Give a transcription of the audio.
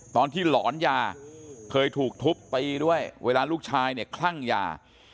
ตอนที่หลอนยาเคยถูกทุบตีด้วยเวลาลูกชายเนี่ยคลั่งยา